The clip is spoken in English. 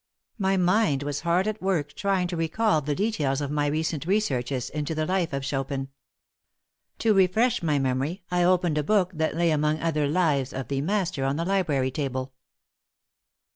My mind was hard at work trying to recall the details of my recent researches into the life of Chopin. To refresh my memory, I opened a book that lay among other Lives of "the master" on the library table. "'No.